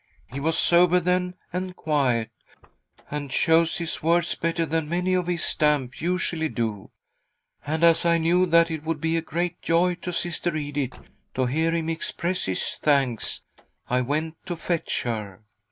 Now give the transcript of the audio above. " He was sober then, and quiet, and chose his words better than many of his stamp usually do, and, as I knew that it would be a great joy to Sister Edith to hear him express his thanks, I went to fetch her.